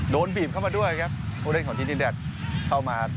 โดนบีบเข้ามาด้วยครับผู้เล่นของทีดินเดชเข้ามา